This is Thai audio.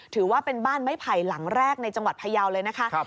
ถือว่าเป็นบ้านไม้ไผ่หลังแรกในจังหวัดพยาวเลยนะคะ